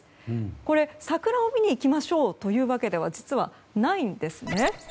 これ、桜を見に行きましょうというわけでは実はないんですね。